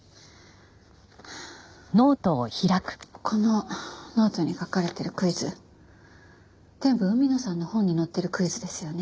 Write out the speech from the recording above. このノートに書かれてるクイズ全部海野さんの本に載ってるクイズですよね。